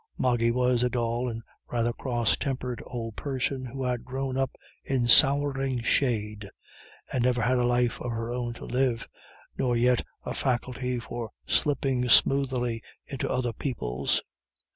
Moggy was a dull and rather cross tempered old person, who had grown up in souring shade, and never had a life of her own to live, nor yet a faculty for slipping smoothly into other people's.